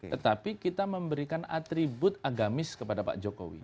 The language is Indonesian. tetapi kita memberikan atribut agamis kepada pak jokowi